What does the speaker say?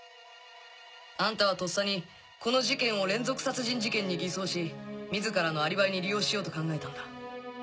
あんたはとっさにこの事件を連続殺人事件に偽装し自らのアリバイに利用しようと考えたんだ。